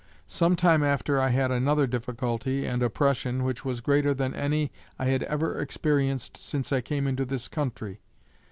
Some time after I had another difficulty and oppression which was greater than any I had ever experienced since I came into this country.